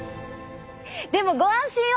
でもご安心を！